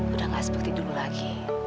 udah gak seperti dulu lagi